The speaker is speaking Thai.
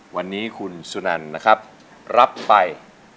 วันนี้คุณสุนันนะครับรับไป